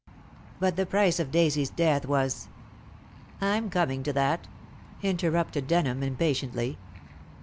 "But the price of Daisy's death was " "I'm coming to that," interrupted Denham impatiently.